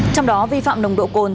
trong đó vi phạm nồng độ cồn